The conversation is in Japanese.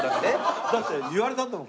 だって言われたんだもん